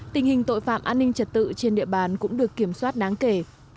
tình hình tội phạm an ninh trật tự trên địa bàn cũng được kiểm soát đáng kể